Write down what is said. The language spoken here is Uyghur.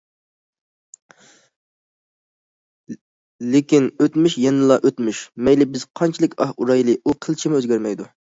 لېكىن ئۆتمۈش يەنىلا ئۆتمۈش، مەيلى بىز قانچىلىك ئاھ ئۇرايلى، ئۇ قىلچىمۇ ئۆزگەرمەيدۇ.